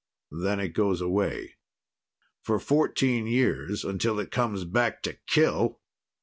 Then it goes away for fourteen years, until it comes back to kill!